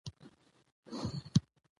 ناروغ د وخت پر درملنې ښه ځواب ورکوي